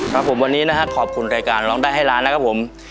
ครับผมวันนี้นะครับขอบคุณรายการร้องได้ให้ล้านนะครับผม